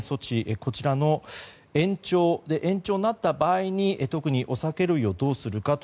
こちらが延長になった場合に特にお酒類をどうするか。